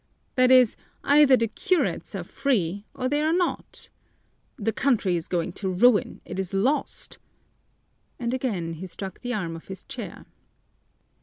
That is, either the curates are free or they are not! The country is going to ruin, it is lost!" And again he struck the arm of his chair.